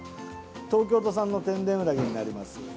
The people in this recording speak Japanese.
東京都産の天然ウナギになります。